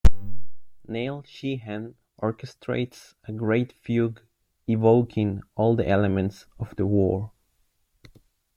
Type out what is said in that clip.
Neil Sheehan orchestrates a great fugue evoking all the elements of the war.